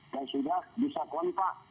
dan sudah bisa kontak